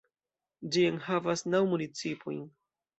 Ĝi enhavas naŭ municipojn.